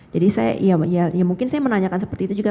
jadi saya ya mungkin saya menanyakan seperti itu juga